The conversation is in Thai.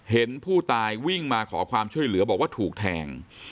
เห็นผู้ตายวิ่งมาขอความช่วยเหลือบอกว่าถูกแทง